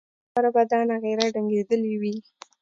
د وچکالۍ لپاره به دا نغاره ډنګېدلي وي.